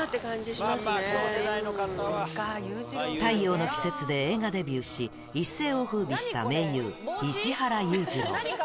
太陽の季節で映画デビューし、一世をふうびした名優、石原裕次郎。